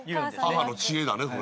母の知恵だねそれね。